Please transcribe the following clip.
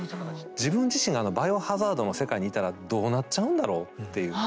自分自身が「バイオハザード」の世界にいたらどうなっちゃうんだろうっていう。